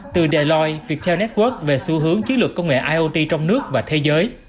từ delos viettel network về xu hướng chiến lược công nghệ iot trong nước và thế giới